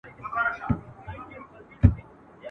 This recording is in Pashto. نه ښکاریانو سوای په دام کي اچولای !.